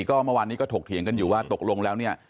ก็เมื่อวานนี้ก็ถกเถียงกันอยู่ว่าตกลงแล้วเนี่ย